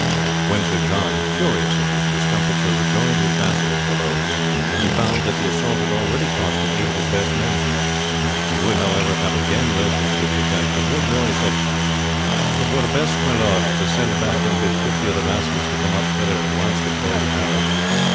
When Sir John, furious at his discomfiture, rejoined his vassals below, he found that the assault had already cost him eight of his best men. He would, however, have again led them to the attack, but Red Roy said: "It were best, my lord, to send back and bid fifty of the vassals to come up hither at once, with bows and arrows.